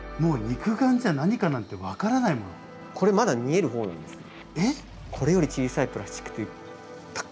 これまだ見える方なんですよ。えっ！？